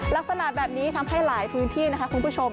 ลักษณะแบบนี้ทำให้หลายพื้นที่นะคะคุณผู้ชม